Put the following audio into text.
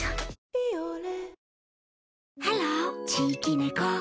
「ビオレ」